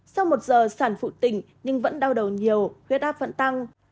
sau một giờ sản phụ tỉnh nhưng vẫn đau đầu nhiều huyết áp vẫn tăng